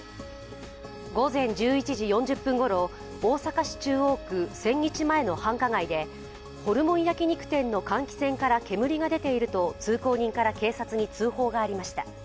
午前１１時４０分ごろ、大阪市中央区千日前の繁華街でホルモン焼き肉店の換気扇から煙が出ていると通行人から警察に通報がありました。